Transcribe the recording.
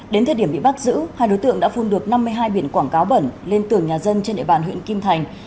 đến thời điểm bị bắt giữ hai đối tượng đã phun được năm mươi hai biển quảng cáo bẩn lên tường nhà dân trên địa bàn huyện kim thành